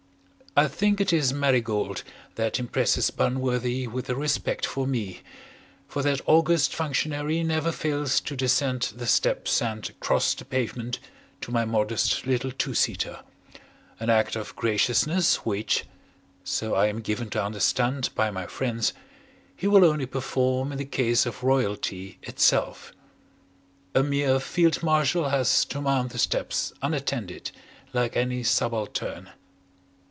I think it is Marigold that impresses Bunworthy with a respect for me, for that august functionary never fails to descend the steps and cross the pavement to my modest little two seater; an act of graciousness which (so I am given to understand by my friends) he will only perform in the case of Royalty Itself. A mere Field marshal has to mount the steps unattended like any subaltern.